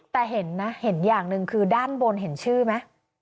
แต่เห็นอย่างนึงคือด้านบนเห็นชื่อไหม